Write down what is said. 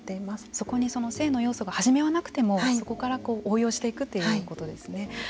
そこに性の要素は初めはなくてもそこから応用していくということですね。